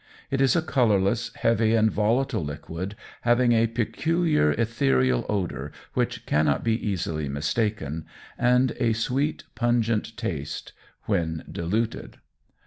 It is a colourless, heavy, and volatile liquid, having a peculiar ethereal odour which cannot be easily mistaken, and a sweet pungent taste when diluted.